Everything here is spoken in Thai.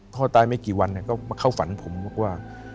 พ่อตายไม่กี่วันก็มาเข้าฝันผมบอกว่า